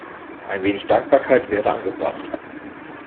Ein wenig Dankbarkeit wäre angebracht.